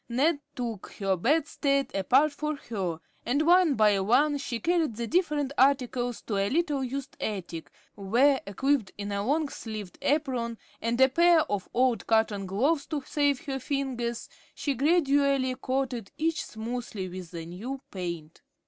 Ned took her bedstead apart for her, and one by one she carried the different articles to a little used attic, where, equipped in a long sleeved apron and a pair of old cotton gloves to save her fingers, she gradually coated each smoothly with the new paint.